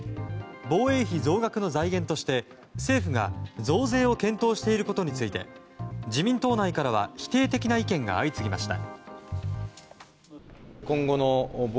防衛費増額の財源として政府が増税を検討していることについて自民党内から否定的な意見が相次ぎました。